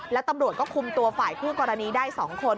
แล้วตำรวจก็คุมตัวฝ่ายคู่กรณีได้๒คน